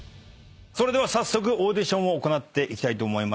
それでは早速オーディションを行っていきたいと思います。